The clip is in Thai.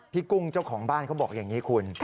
กุ้งเจ้าของบ้านเขาบอกอย่างนี้คุณ